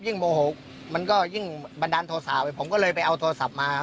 โมโหมันก็ยิ่งบันดาลโทษะไปผมก็เลยไปเอาโทรศัพท์มา